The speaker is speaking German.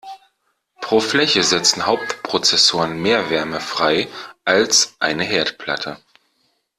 Pro Fläche setzen Hauptprozessoren mehr Wärme frei als eine Herdplatte.